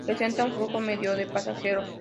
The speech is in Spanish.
Presenta un flujo medio de pasajeros.